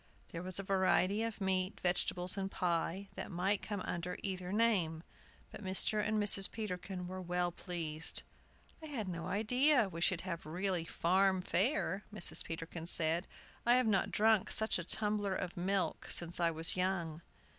There was a variety of meat, vegetables, and pie, that might come under either name; but Mr. and Mrs. Peterkin were well pleased. "I had no idea we should have really farm fare," Mrs. Peterkin said. "I have not drunk such a tumbler of milk since I was young."